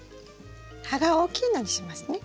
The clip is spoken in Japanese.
葉が大きいのにしますね。